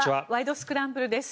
スクランブル」です。